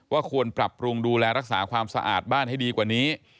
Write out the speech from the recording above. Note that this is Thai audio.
ควรปรับปรุงดูแลรักษาความสะอาดบ้านให้ดีกว่านี้